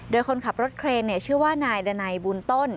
โดยคนขับรถเครนชื่อว่านายดันัยบุญต้น